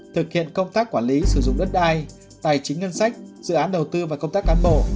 thực hiện công tác quản lý sử dụng đất đai tài chính ngân sách dự án đầu tư và công tác cán bộ